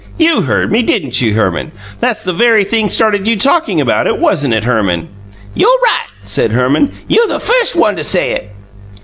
YOU heard me, didn't you, Herman? That's the very thing started you talking about it, wasn't it, Herman?" "You' right," said Herman. "You the firs' one to say it."